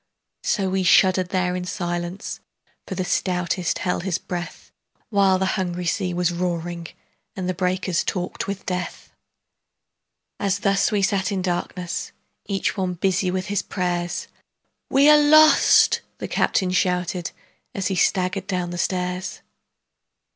So we shuddered there in silence, For the stoutest held his breath, While the hungry sea was roaring And the breakers talked with death. As thus we sat in darkness Each one busy with his prayers, "We are lost!" the captain shouted, As he staggered down the stairs.